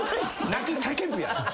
泣き叫ぶやろ。